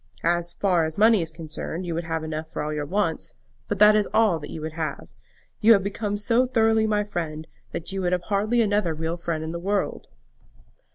As far as money is concerned, you would have enough for all your wants; but that is all that you would have. You have become so thoroughly my friend, that you have hardly another real friend in the world."